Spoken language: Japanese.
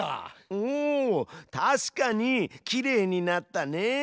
お確かにきれいになったね。